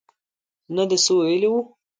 نه ده څه ویلي وو.